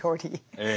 ええ。